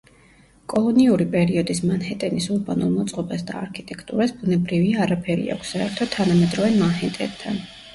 კოლონიური პერიოდის მანჰეტენის ურბანულ მოწყობას და არქიტექტურას, ბუნებრივია, არაფერი აქვს საერთო თანამედროვე მანჰეტენთან.